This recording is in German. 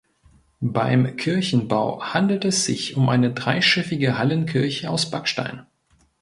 Beim Kirchenbau handelt es sich um eine dreischiffige Hallenkirche aus Backstein.